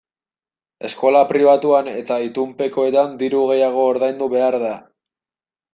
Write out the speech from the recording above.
Eskola pribatuan eta itunpekoetan diru gehiago ordaindu behar da.